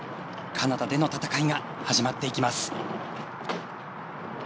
カナダでの戦いが始まっていきます。